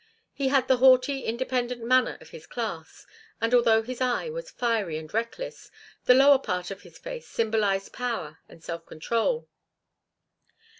He had the haughty, independent manner of his class, and, although his eye was fiery and reckless, the lower part of his face symbolized power and self control.